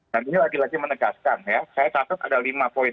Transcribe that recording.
dan ini lagi lagi menegaskan ya saya takut ada lima poin